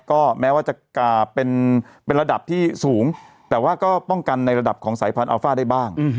ก็แม้ว่าจะเป็นระดับที่สูงแต่ว่าก็ป้องกันในระดับของสายพันธอัฟ่าได้บ้าง